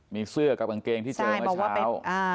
มีเสื้อกับกางเกงที่เจอเมื่อเช้า